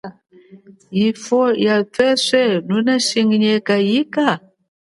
Ifwo ya tweswe, nunashinginyeka ika?